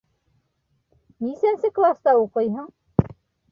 — Нисәнсе класта уҡыйһың?